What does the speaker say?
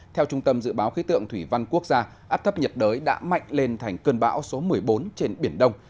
theo trung tâm dự báo khí tượng thủy văn quốc gia áp thấp nhiệt đới đã mạnh lên thành cơn bão số một mươi bốn trên biển đông